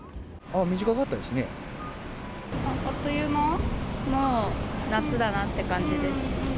あっという間、夏だなって感じです。